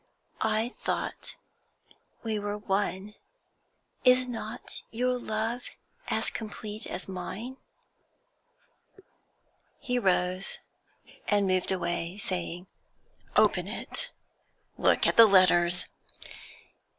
I thought we were one. Is not your love as complete as mine?' He rose and moved away, saying 'Open it! Look at the letters!'